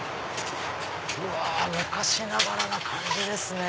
うわ昔ながらな感じですね。